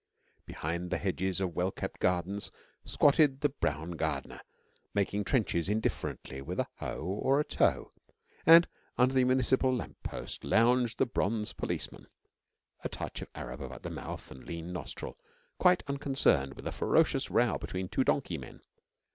Behind the hedges of well kept gardens squatted the brown gardener, making trenches indifferently with a hoe or a toe, and under the municipal lamp post lounged the bronze policeman a touch of Arab about mouth and lean nostril quite unconcerned with a ferocious row between two donkey men.